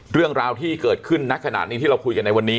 เรื่องราวที่เกิดขึ้นณขณะนี้ที่เราคุยกันในวันนี้